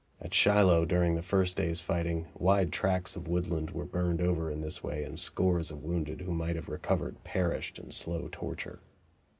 At Shiloh, during the first day's fighting, wide tracts of woodland were burned over in this way and scores of wounded who might have recovered perished in slow torture.